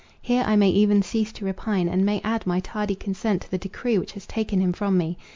Here I may even cease to repine, and may add my tardy consent to the decree which has taken him from me.